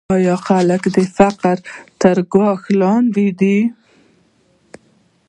آیا خلک د فقر تر کرښې لاندې دي؟